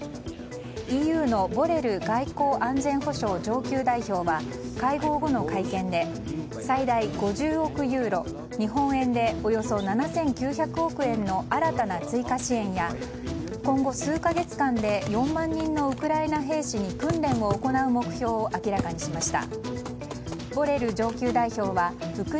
ＥＵのボレル外交安全保障上級代表は会合後の会見で最大５０億ユーロ日本円でおよそ７９００億円の新たな追加支援や今後数か月間で４万人のウクライナ兵士に訓練を行う目標を明らかにしました。